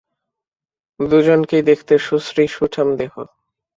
দুজনকেই দেখতে সুশ্রী, সুঠাম দেহ।